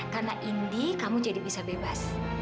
karena indi kamu jadi bisa bebas